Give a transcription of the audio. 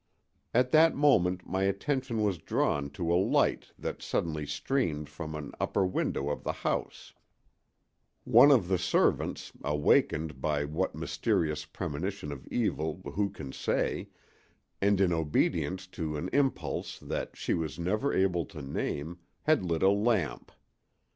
At that moment my attention was drawn to a light that suddenly streamed from an upper window of the house: one of the servants, awakened by what mysterious premonition of evil who can say, and in obedience to an impulse that she was never able to name, had lit a lamp.